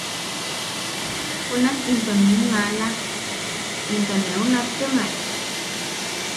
Junak into nim maala, “¿into neu nattemae?”